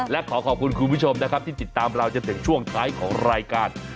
และขอขอบคุณคุณผู้ชมนะครับที่ติดตามเราจนถึงช่วงท้ายของรายการ